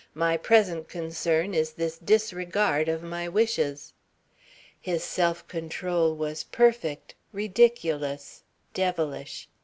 My present concern is this disregard of my wishes." His self control was perfect, ridiculous, devilish.